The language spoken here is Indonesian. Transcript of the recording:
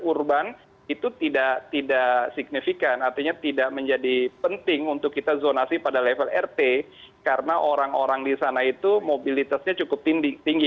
urban itu tidak signifikan artinya tidak menjadi penting untuk kita zonasi pada level rt karena orang orang di sana itu mobilitasnya cukup tinggi